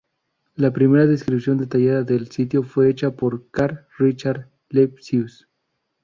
La primera descripción detallada del sitio fue hecha por Karl Richard Lepsius.